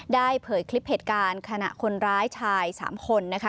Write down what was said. เผยคลิปเหตุการณ์ขณะคนร้ายชาย๓คนนะคะ